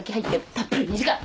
たっぷり２時間。